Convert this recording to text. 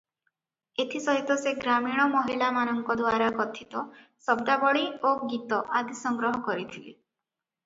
ଏଥି ସହିତ ସେ ଗ୍ରାମୀଣ ମହିଳାମାନଙ୍କଦ୍ୱାରା କଥିତ ଶବ୍ଦାବଳୀ ଓ ଗୀତ ଆଦି ସଂଗ୍ରହ କରିଥିଲେ ।